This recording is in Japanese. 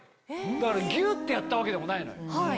だからギュってやったわけでもないのよ。